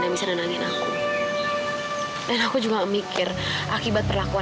sampai kapanpun perasaan aku ke nonzara tuh gak akan pernah terbalaskan